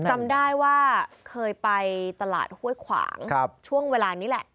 จำได้ว่าเคยไปตลาดห้วยขวางช่วงเวลานี้แหละ